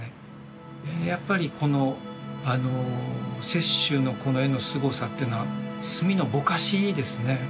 やっぱりこの雪舟のこの絵のすごさっていうのは墨のぼかしですね。